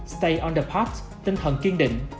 stay on the pot tinh thần kiên định